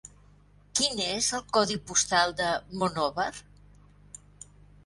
Quin és el codi postal de Monòver?